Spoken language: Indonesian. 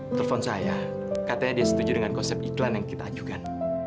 telepon saya katanya dia setuju dengan konsep iklan yang kita ajukan